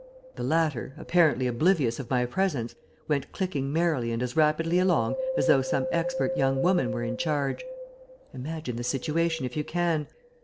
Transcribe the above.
The latter, apparently oblivious of my presence, went clicking merrily and as rapidly along as though some expert young woman were in charge. Imagine the situation if you can.